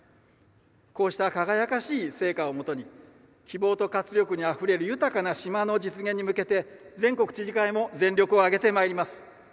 こうした輝かしい成果をもとに「希望と活力にあふれる豊かな島」の実現に向けて全国知事会も全力を挙げてまいります。